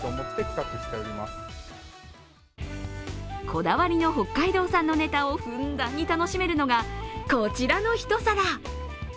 こだわりの北海道産のネタをふんだんに楽しめるのがこちらの一皿。